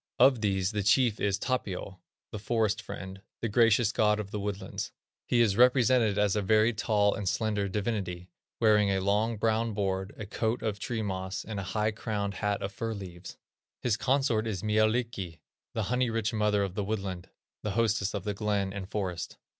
Of these the chief is Tapio, "The Forest Friend," "The Gracious God of the Woodlands." He is represented as a very tall and slender divinity, wearing a long, brown board, a coat of tree moss, and a high crowned hat of fir leaves. His consort is Mielikki, "The Honey rich Mother of the Woodland," "The Hostess of the Glen and Forest."